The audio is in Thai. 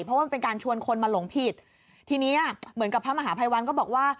เพราะว่ามันเป็นการชวนคนมาหลงผิดทีเนี้ยเหมือนกับพระมหาภัยวันก็บอกว่า